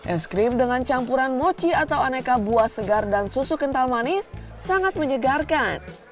es krim dengan campuran mochi atau aneka buah segar dan susu kental manis sangat menyegarkan